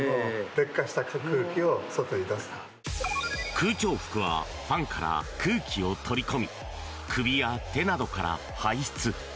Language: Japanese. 空調服はファンから空気を取り込み首や手などから排出。